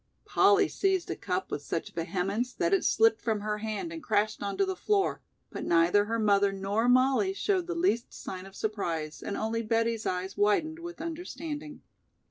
Polly seized a cup with such vehemence that it slipped from her hand and crashed onto the floor, but neither her mother nor Mollie showed the least sign of surprise and only Betty's eyes widened with understanding.